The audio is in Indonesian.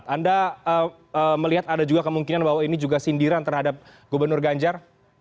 anda melihat ada juga kemungkinan bahwa ini juga sindiran terhadap gubernur ganjar